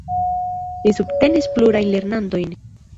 Li subtenis plurajn lernantojn.